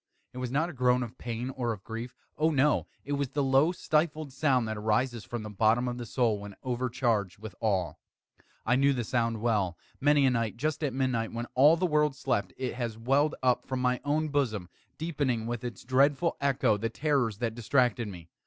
It was not a groan of pain or of grief oh, no! it was the low stifled sound that arises from the bottom of the soul when overcharged with awe. I knew the sound well. Many a night, just at midnight, when all the world slept, it has welled up from my own bosom, deepening, with its dreadful echo, the terrors that distracted me.